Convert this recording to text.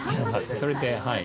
それではい。